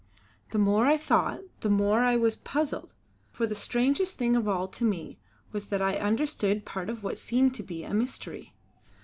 The more I thought, the more I was puzzled; for the strangest thing of all to me was that I understood part of what seemed to be a mystery.